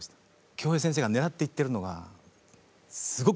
京平先生が狙っていってるのがすごく分かるので。